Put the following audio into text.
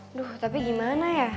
aduh tapi gimana ya